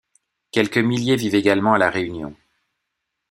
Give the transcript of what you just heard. Quelques milliers vivent également à La Réunion.